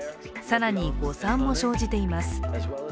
更に誤算も生じています。